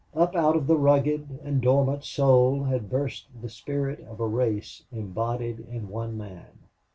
Up out of the rugged and dormant soul had burst the spirit of a race embodied in one man.